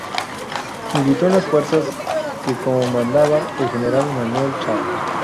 Militó en las fuerzas que comandaba el general Manuel Chao.